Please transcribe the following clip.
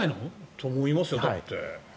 と、思いますよだって。